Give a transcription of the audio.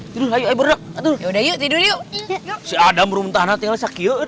tidur ayo berdua yuk tidur yuk si adam berumur entah tinggal sakyu